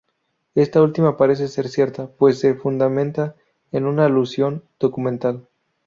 Esta última parece ser cierta, pues se fundamenta en una alusión documental.